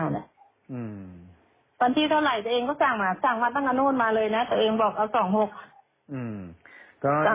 วันที่เท่าไหร่ตัวเองก็สั่งมาสั่งมาตั้งกันโน่นมาเลยนะ